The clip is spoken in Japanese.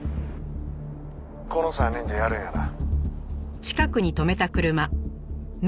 「この３人でやるんやな」